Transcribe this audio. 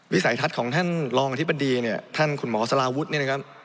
สัยทัศน์ของท่านรองอธิบดีเนี่ยท่านคุณหมอสลาวุฒิเนี่ยนะครับ